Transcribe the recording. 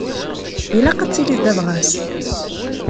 Ilaq ad tiliḍ d abɣas!